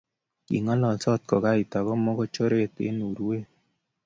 Kingololsot kugait ago mogochoret eng urwet